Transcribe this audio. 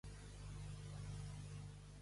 Em sap greu haver-te d'acomiadar, Mel.